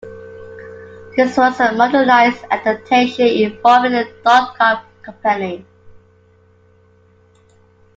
This was a modernised adaptation involving a dotcom company.